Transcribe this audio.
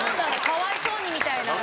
かわいそうにみたいな。